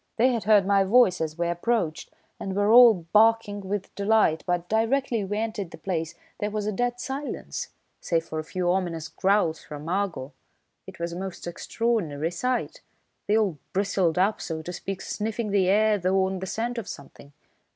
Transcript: "They had heard my voice as we approached and were all barking with delight, but directly we entered the place there was a dead silence, save for a few ominous growls from Argo. It was a most extraordinary sight. They all bristled up, so to speak, sniffing the air though on the scent of something.